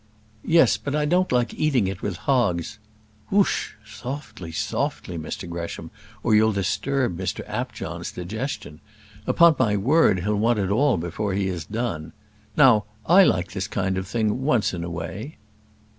"Yes; but I don't like eating it with hogs." "Whish h! softly, softly, Mr Gresham, or you'll disturb Mr Apjohn's digestion. Upon my word, he'll want it all before he has done. Now, I like this kind of thing once in a way."